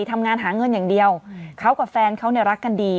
ทำงานหาเงินอย่างเดียวเขากับแฟนเขาเนี่ยรักกันดี